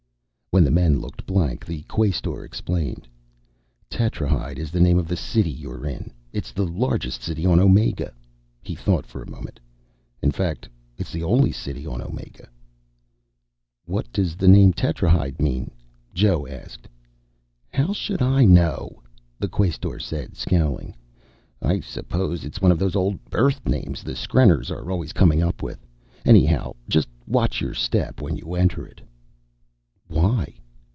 When the men looked blank, the Quaestor explained, "Tetrahyde is the name of the city you're in. It's the largest city on Omega." He thought for a moment. "In fact, it's the only city on Omega." "What does the name Tetrahyde mean?" Joe asked. "How should I know?" the Quaestor said, scowling. "I suppose it's one of those old Earth names the skrenners are always coming up with. Anyhow, just watch your step when you enter it." "Why?"